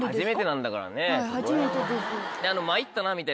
はい初めてです。